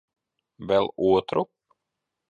Vēl otru?